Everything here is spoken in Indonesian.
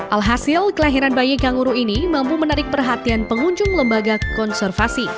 alhasil kelahiran bayi kanguru ini mampu menarik perhatian pengunjung lembaga konservasi